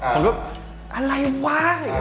ผมก็อะไรวะ